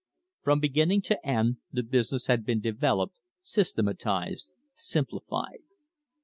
From begin ning to end the business had been developed, systematised, simplified.